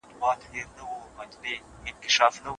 سعید په ډېر اخلاص سره خپل درسونه وویل.